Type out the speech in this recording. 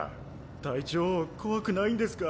隊長怖くないんですか？